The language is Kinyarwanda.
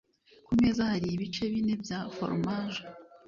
Ku meza hari ibice bine bya foromaje.